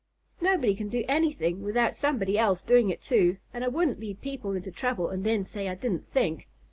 Nobody can do anything without somebody else doing it too, and I wouldn't lead people into trouble and then say I didn't think.